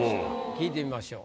聞いてみましょう。